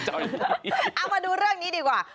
เอามาดูเรื่องนี้ดีกว่า